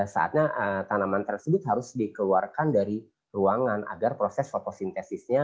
saatnya tanaman tersebut harus dikeluarkan dari ruangan agar proses fotosintesisnya